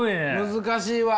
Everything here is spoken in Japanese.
難しいわ。